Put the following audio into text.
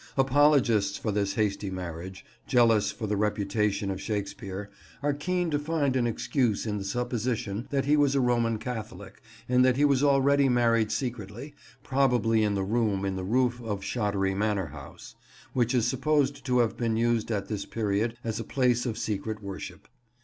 Apologists for this hasty marriage, jealous for the reputation of Shakespeare, are keen to find an excuse in the supposition that he was a Roman Catholic and that he was already married secretly, probably in the room in the roof of Shottery Manor House, which is supposed to have been used at this period as a place of secret worship.